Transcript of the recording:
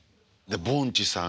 ぼんちさん